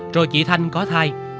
rồi chị thanh có thai